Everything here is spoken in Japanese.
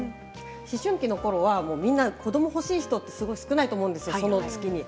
思春期のころはみんな子ども欲しい人は少ないと思うんですよ。